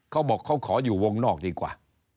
เขาบอกเขาขออยู่วงนอกดีกว่า